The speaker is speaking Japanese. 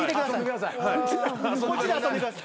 こっちで遊んでください。